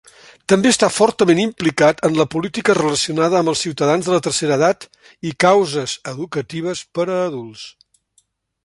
També està fortament implicat en la política relacionada amb els ciutadans de la tercera edat i causes educatives per a adults.